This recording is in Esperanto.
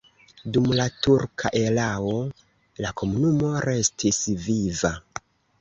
Dum la turka erao la komunumo restis viva.